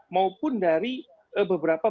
maupun dari beberapa